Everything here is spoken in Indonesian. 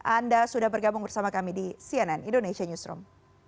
anda sudah bergabung bersama kami di cnn indonesia newsroom